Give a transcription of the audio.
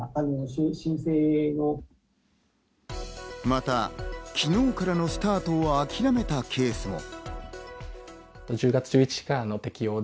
また昨日からのスタートは諦めたケースも。